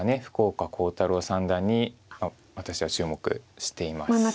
福岡航太朗三段に私は注目しています。